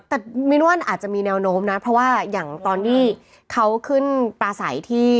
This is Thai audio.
แต่ไม่น้วนอาจจะมีแนวโน้มน่ะเพราะว่าอย่างตอนนี้เขาขึ้นปลาสัยที่